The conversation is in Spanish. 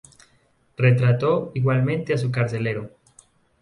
Retrató igualmente a su carcelero.